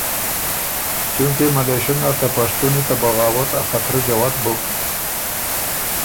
چونکې ملېشۀ نر ته پشتُونی ته بغاوت ا خطره جوَت بُک